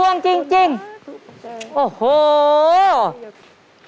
๑โบนัสหลังตู้หมายเลข๒เท่าไร